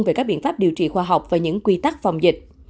về các biện pháp điều trị khoa học và những quy tắc phòng dịch